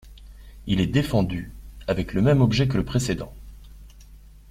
Il est défendu, avec le même objet que le précédent.